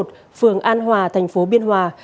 phường an hòa thành phố biên hòa